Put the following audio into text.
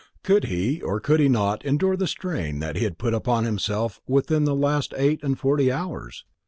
Could he, or could he not endure the strain that he had put upon himself within the last eight and forty hours?